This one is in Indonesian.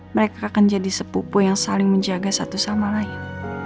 mereka akan jadi sepupu yang saling menjaga satu sama lain